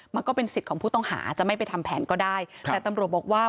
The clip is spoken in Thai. มันก็เป็นสิทธิ์ของผู้ต้องหาจะไม่ไปทำแผนก็ได้แต่ตำรวจบอกว่า